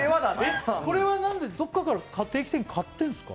これはどこかから買ってるんですか？